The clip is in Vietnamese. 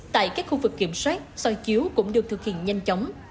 tại các khu vực kiểm soát soi chiếu cũng được thực hiện nhanh chóng